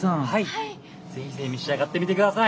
是非是非召し上がってみて下さい。